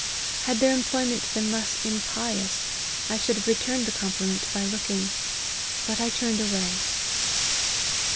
Had their employment been less impious, I should have returned the compliment by looking ; but I turned away."